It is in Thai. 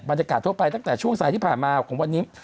บรรยากาศทั่วไปตั้งแต่ช่วงสายที่ผ่านมาของวันนี้